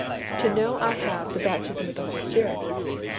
_, I know I have the baptism with the Holy Spirit.